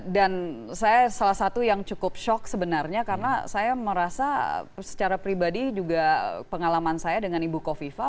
dan saya salah satu yang cukup shock sebenarnya karena saya merasa secara pribadi juga pengalaman saya dengan ibu kofifa